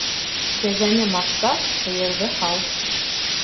Кәзәне маҡта, һыйырҙы һау.